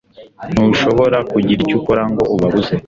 Ntushobora kugira icyo ukora ngo ubabuze